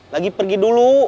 lagi pergi dulu